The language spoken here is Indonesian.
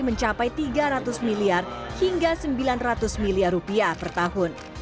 mencapai tiga ratus miliar hingga sembilan ratus miliar rupiah per tahun